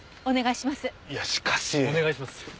お願いします。